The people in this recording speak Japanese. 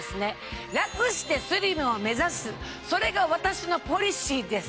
それが私のポリシーです。